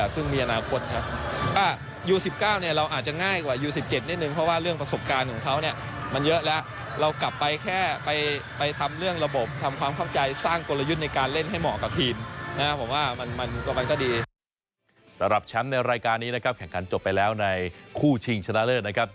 สำหรับแชมป์ในรายการนี้นะครับแข่งขันจบไปแล้วในคู่ชิงชนะเลิศนะครับ